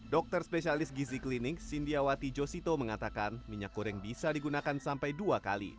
dokter spesialis gizi klinik sindiawati josito mengatakan minyak goreng bisa digunakan sampai dua kali